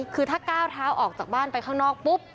คือถ้าก้าวเท้าออกจากบ้านไปข้างนอกปุ๊บ